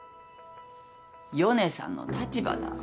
ヨネさんの立場だ。